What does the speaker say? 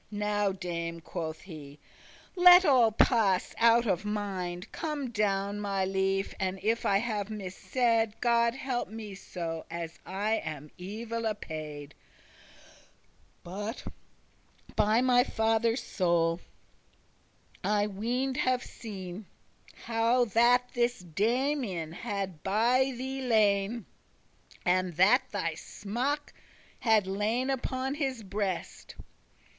"Now, Dame," quoth he, "let all pass out of mind; Come down, my lefe,* and if I have missaid, *love God help me so, as I am *evil apaid.* *dissatisfied* But, by my father's soul, I ween'd have seen How that this Damian had by thee lain, And that thy smock had lain upon his breast."